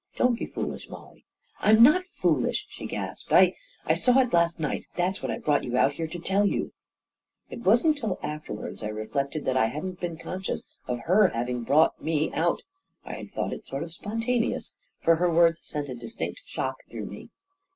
Don't be foolish, Mollie 1 " 11 Fm not foolish !" she gasped. " I — I saw it last night I That's what I brought you out here to tell you I " It wasn't till afterwards I reflected that I hadn't been conscious of her having brought me out — I had thought it sort of spontaneous — for her words sent a distinct shock through me.